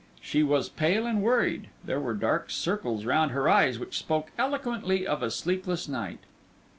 She was pale and worried; there were dark circles round her eyes which spoke eloquently of a sleepless night.